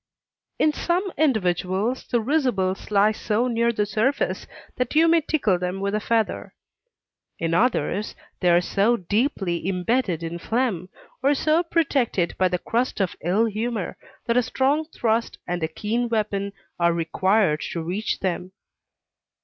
In some individuals the risibles lie so near the surface that you may tickle them with a feather. In others, they are so deeply imbedded in phlegm, or so protected by the crust of ill humor, that a strong thrust and a keen weapon are required to reach them.